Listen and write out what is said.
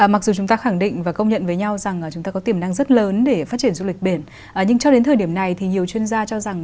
mặc dù chúng ta khẳng định và công nhận với nhau rằng chúng ta có tiềm năng rất lớn để phát triển du lịch biển nhưng cho đến thời điểm này thì nhiều chuyên gia cho rằng